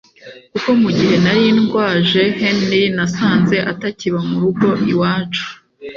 kuko mu gihe nari ndwaje Henry nasanze atakiba murugo iwacu